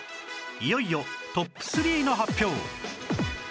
いよいよトップ３の発表